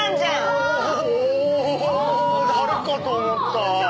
誰かと思ったわ。